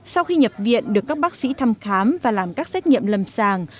sau khi nhập viện được các bác sĩ thăm khám và làm các xét nghiệm lâm sàng